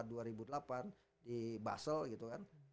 di basel gitu kan